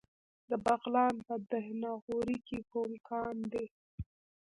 د بغلان په دهنه غوري کې کوم کان دی؟